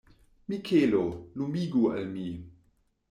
Mikelo, lumigu al mi.